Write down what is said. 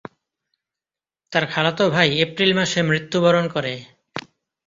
তার খালাতো ভাই এপ্রিল মাসে মৃত্যুবরণ করে।